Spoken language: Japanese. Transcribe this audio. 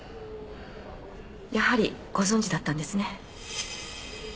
やはりご存じだったんですね。